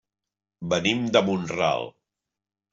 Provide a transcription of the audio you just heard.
Venim de Mont-ral.